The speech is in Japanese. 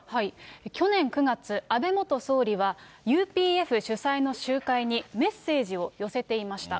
去年９月、安倍元総理はＵＰＦ主催の集会にメッセージを寄せていました。